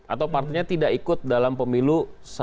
atau partainya tidak ikut dalam pemilu